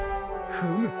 フム。